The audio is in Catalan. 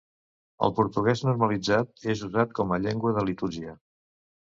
El portuguès normalitzat és usat com a llengua de litúrgia.